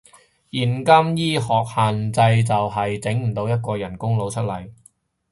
現今醫學限制就係，整唔到一個人工腦出嚟